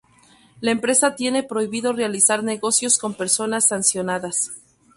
La empresa tiene prohibido realizar negocios con personas sancionadas.